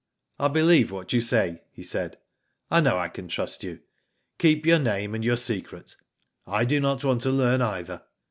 I believe what you say," he said. " I know I can trust you. Keep your name and your secret, I do not want to learn either.